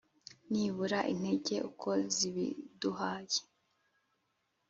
nibura intege uko zibiduhaye!